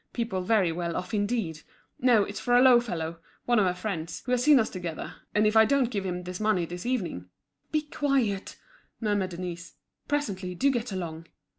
People very well off indeed. No, it's for a low fellow, one of her friends, who has seen us together; and if I don't give him this money this evening—" "Be quiet," murmured Denise. "Presently, do get along."